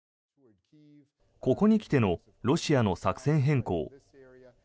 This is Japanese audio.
ここに来てのロシアの作戦変更。